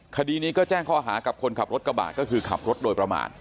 คดีนี้ก็แจ้งข้อหากับคนขับรถกระบะก็คือขับรถโดยประมาท